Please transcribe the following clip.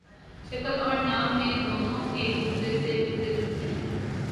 شکل اور نام میں دونوں ایک دوسرے سے ملتے جلتے ہیں